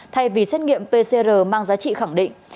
thay vì xét nghiệm pcr mang giá trị khẳng định